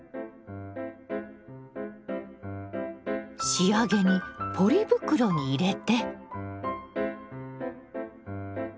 仕上げにポリ袋に入れて。